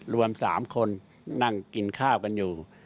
รวม๓คนนั่งกินข้าวกันอยู่